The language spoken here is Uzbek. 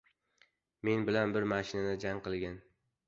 Men bilan bir mashinada jang qilgan.